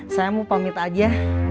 saya mau pamit aja